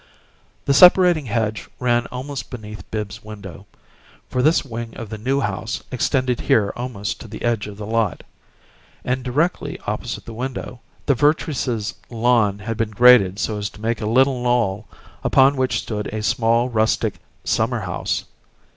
The separating hedge ran almost beneath Bibbs's window for this wing of the New House extended here almost to the edge of the lot and, directly opposite the window, the Vertreeses' lawn had been graded so as to make a little knoll upon which stood a small rustic "summer house."